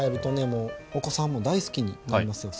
もうお子さんも大好きになりますよ。